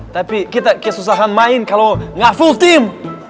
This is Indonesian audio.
tapi kita kesusahan main kalo enggak full team